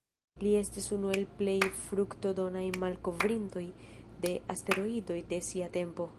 Li estis unu el plej fruktodonaj malkovrintoj de asteroidoj de sia tempo.